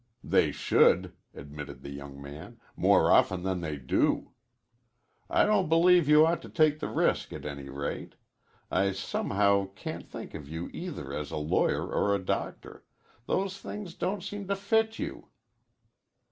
"They should," admitted the young man, "more often than they do. I don't believe you ought to take the risk, at any rate. I somehow can't think of you either as a lawyer or a doctor. Those things don't seem to fit you."